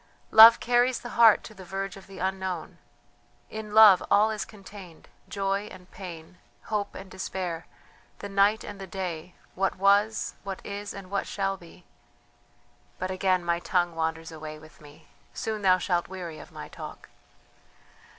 "Love carries the heart to the verge of the unknown. In Love all is contained: joy and pain, hope and despair, the night and the day; what was, what is, and what shall be ... but again my tongue wanders away with me, soon thou shalt weary of my talk.